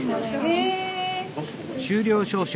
修了証書。